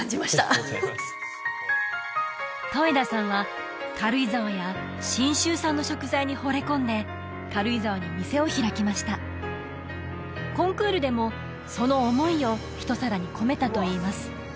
ありがとうございます戸枝さんは軽井沢や信州産の食材にほれ込んで軽井沢に店を開きましたコンクールでもその思いをひと皿に込めたといいます